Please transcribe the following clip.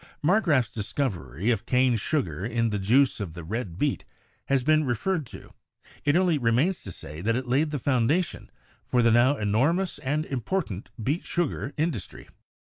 Marg graf's discovery of cane sugar in the juice of the red beet has been referred to; it only remains to say that it laid the foundation for the now enormous and important beet sugar industry.